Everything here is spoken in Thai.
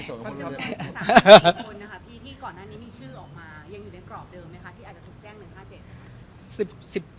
๑๓คนที่ก่อนหน้านี้มีชื่อออกมายังอยู่ในกรอบเดิมไหมคะ